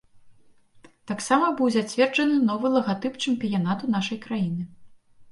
Таксама быў зацверджаны новы лагатып чэмпіянату нашай краіны.